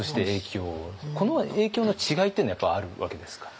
この影響の違いっていうのはやっぱりあるわけですか。